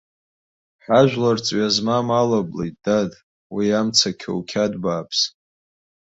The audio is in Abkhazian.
Ҳажәлар ҵҩа змам алаблит, дад, уи амца қьоуқьад бааԥс!